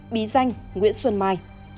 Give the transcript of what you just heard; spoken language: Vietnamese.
bí danh nguyễn xuân mai